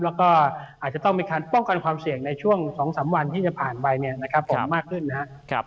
แล้วก็อาจจะต้องมีการป้องกันความเสี่ยงในช่วง๒๓วันที่จะผ่านไปนะครับ